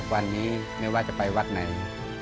วันนี้ไม่ว่าจะไปวัดไหน